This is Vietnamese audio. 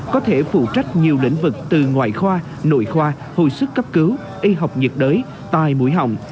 có thể phụ trách nhiều lĩnh vực từ ngoại khoa nội khoa hồi sức cấp cứu y học nhiệt đới tai mũi hỏng